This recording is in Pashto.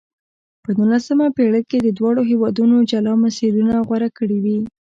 په نولسمه پېړۍ کې دواړو هېوادونو جلا مسیرونه غوره کړې وې.